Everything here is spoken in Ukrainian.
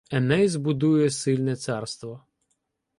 Еней збудує сильне царство